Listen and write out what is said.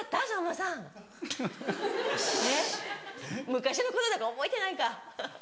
昔のことだから覚えてないかハハハ。